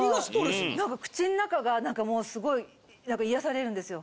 なんか口ん中がなんかもうすごい癒やされるんですよ。